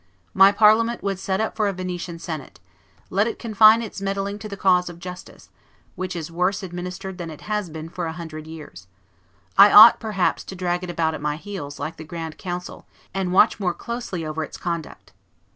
My Parliament would set up for a Venetian Senate; let it confine its meddling to the cause of justice, which is worse administered than it has been for a hundred years; I ought, perhaps, to drag it about at my heels, like the Grand Council, and watch more closely over its conduct."